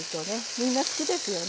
みんな好きですよね。